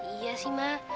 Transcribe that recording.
iya sih ma